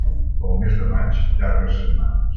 Pel mes de maig, llargues setmanes.